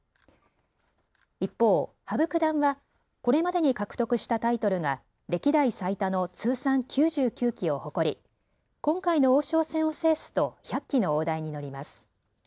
一方、羽生九段はこれまでに獲得したタイトルが歴代最多の通算９９期を誇り、今回の王将戦を制すと１００期の大台に乗ります。